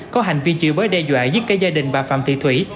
có hành vi chịu bới đe dọa giết cái gia đình bà phạm thị thủy